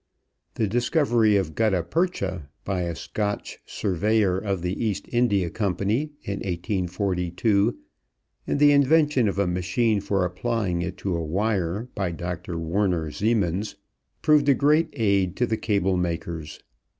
The discovery of gutta percha by a Scotch surveyor of the East India Company in 1842, and the invention of a machine for applying it to a wire, by Dr. Werner Siemens, proved a great aid to the cable makers.